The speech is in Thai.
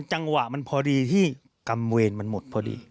จังหวะมันพอดีที่กรรมเวรมันหมดพอดี